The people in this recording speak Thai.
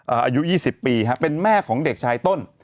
อายุ๒๐ปีฮะเป็นแม่ของเด็กชายต้น